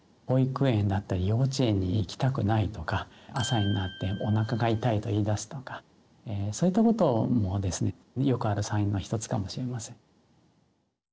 保育園だったり幼稚園に行きたくないとか朝になっておなかが痛いと言いだすとかそういったこともですねよくあるサインの一つかもしれません。